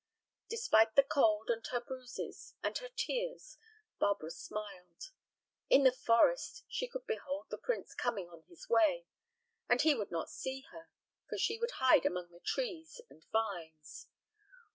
Despite the cold, and her bruises, and her tears, Barbara smiled. In the forest she could behold the prince coming on his way; and he would not see her, for she would hide among the trees and vines.